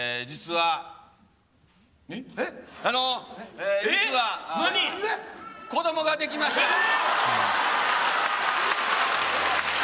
実は、子供ができました！